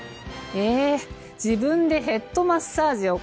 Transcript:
え自分でヘッドマッサージをこう。